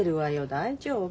大丈夫。